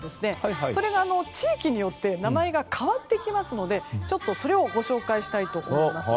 それが地域によって名前が変わってきますのでちょっとご紹介したいと思います。